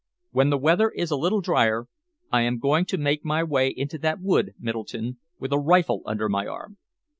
"When the weather is a little drier, I am going to make my way into that wood, Middleton, with a rifle under my arm."